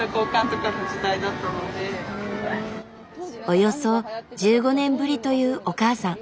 およそ１５年ぶりというお母さん。